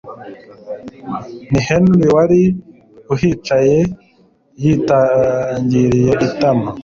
ni Henry wari uhicaye yitangiriye itama